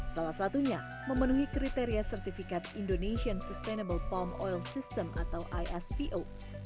salah satunya memenuhi kriteria sertifikat indonesian sustainable palm oil system atau ispo